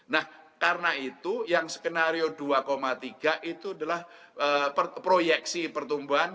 nah karena itu yang skenario dua tiga itu adalah proyeksi pertumbuhan